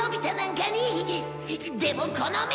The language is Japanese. でもこの目！